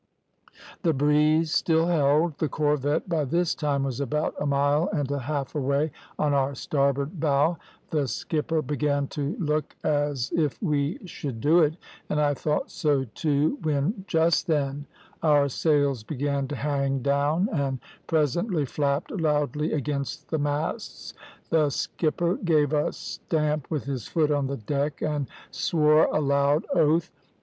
"The breeze still held, the corvette by this time was about a mile and a half away on our starboard bow; the skipper began to look as if we should do it, and I thought so too, when, just then, our sails began to hang down, and presently flapped loudly against the masts; the skipper gave a stamp with his foot on the deck, and swore a loud oath.